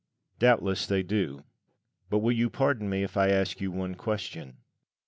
Doubtless they do; but will you pardon me if I ask you one question?